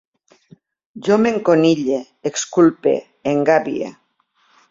Jo m'enconille, exculpe, engabie